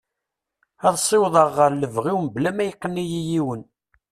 Ad siwḍeɣ ɣer lebɣi-w mebla ma yeqqen-iyi yiwen.